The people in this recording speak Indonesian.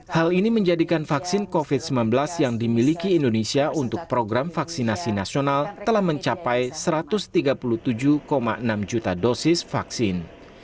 hal ini menjadikan vaksin covid sembilan belas yang dimiliki indonesia untuk program vaksinasi nasional telah mencapai satu ratus tiga puluh tujuh enam juta dosis vaksin